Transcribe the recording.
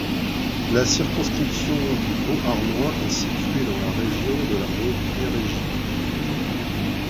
La circonscription de Beauharnois est située dans la région de la Montérégie.